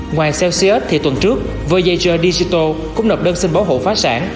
ngoài celsius thì tuần trước voyager digital cũng nộp đơn xin bảo hộ phá sản